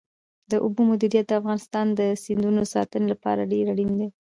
د اوبو مدیریت د افغانستان د سیندونو د ساتنې لپاره ډېر اړین دی.